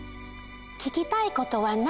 聞きたいことは何？